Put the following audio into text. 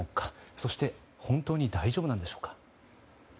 そして本当に大丈夫なんでしょうか。